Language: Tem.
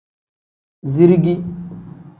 Zirigi.